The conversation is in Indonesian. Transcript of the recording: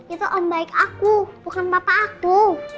itu om baik aku bukan bapak aku